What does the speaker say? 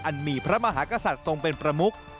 มีพระมหากษัตริย์ทรงเป็นประมุก